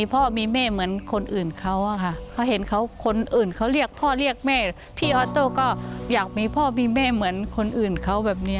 สงสารมากค่ะ